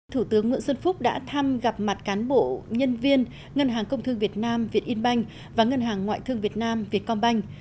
thủ tướng nguyễn xuân phúc đã thăm gặp mặt cán bộ nhân viên ngân hàng công thương việt nam việt in banh và ngân hàng ngoại thương việt nam vietcombank